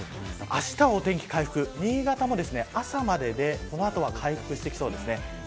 あしたはお天気が回復し、新潟も朝まででその後は回復しそうです。